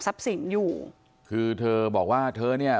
ทรัพย์สินที่เป็นของฝ่ายหญิง